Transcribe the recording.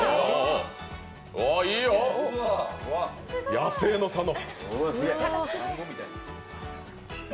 野生の佐野。